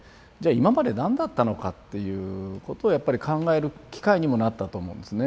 今まで何だったのかっていうことをやっぱり考える機会にもなったと思うんですね。